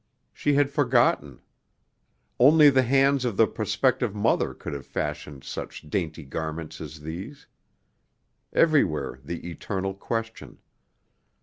She had forgotten. Only the hands of the prospective mother could have fashioned such dainty garments as these. Everywhere the eternal question.